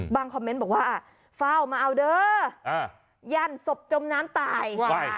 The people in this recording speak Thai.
คอมเมนต์บอกว่าเฝ้ามาเอาเด้อยันศพจมน้ำตาย